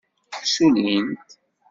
Ssullint.